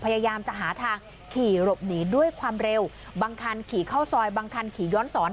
พยายามจะหาทางขี่หลบหนีด้วยความเร็วบางคันขี่เข้าซอยบางคันขี่ย้อนสอน